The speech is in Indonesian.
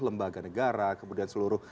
lembaga negara kemudian seluruh